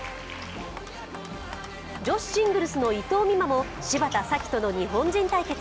女子シングルスの伊藤美誠も芝田紗季との日本人対決。